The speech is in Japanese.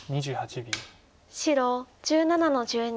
白１７の十二。